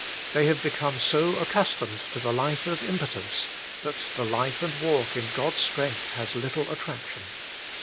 They have become so accustomed to the life of impotence, that the life and walk in God s strength has little attraction.